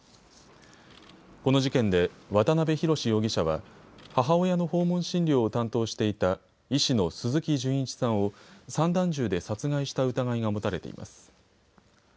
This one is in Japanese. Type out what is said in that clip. この事件で渡邊宏容疑者は母親の訪問診療を担当していた医師の鈴木純一さんを散弾銃で殺害した疑いが持たれています。